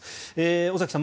尾崎さん